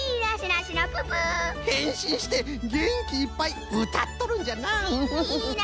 へんしんしてげんきいっぱいうたっとるんじゃなあ。